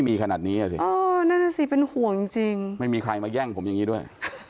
มีเด็กระยองนะเนี่ย